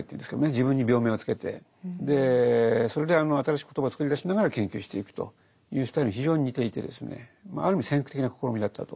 自分に病名を付けてそれで新しい言葉をつくり出しながら研究していくというスタイルに非常に似ていてですねある意味先駆的な試みだったと。